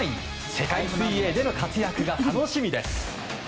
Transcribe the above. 世界水泳での活躍が楽しみです。